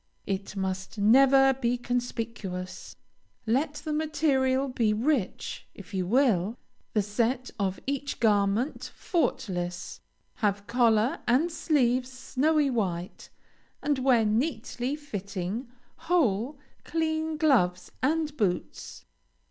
It must never be conspicuous. Let the material be rich, if you will; the set of each garment faultless; have collar and sleeves snowy white, and wear neatly fitting, whole, clean gloves and boots.